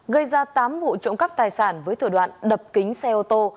gây ra tám vụ trộm cắp tài sản với thửa đoạn đập kính xe ô tô